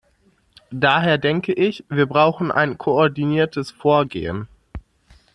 Daher denke ich, wir brauchen ein koordiniertes Vorgehen.